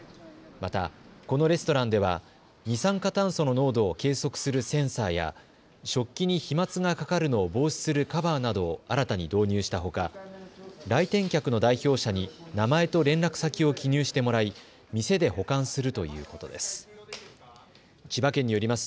またこのレストランでは二酸化炭素の濃度を計測するセンサーや食器に飛まつがかかるのを防止するカバーなどを新たに導入したほか来店客の代表者に名前と連絡先を記入してもらい店で保管するということです。